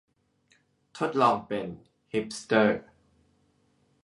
ทดลองเป็นฮิปสเตอร์